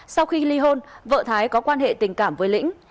sau khi ly hôn vợ thái có quan hệ tình cảm với lĩnh